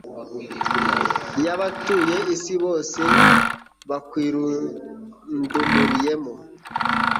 y’abatuye isi bose bakwirundumuriyemo.